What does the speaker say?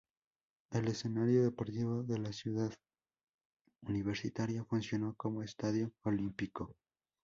El escenario deportivo de la Ciudad Universitaria funcionó como Estadio olímpico.